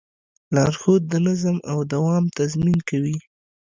لارښود د نظم او دوام تضمین کوي.